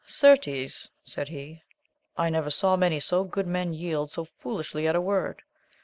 Certes, said he, I never saw many so good men yield so foolishly at a word